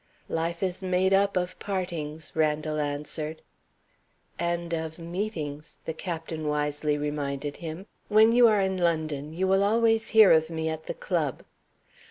"Life is made up of partings," Randal answered. "And of meetings," the Captain wisely reminded him. "When you are in London, you will always hear of me at the club."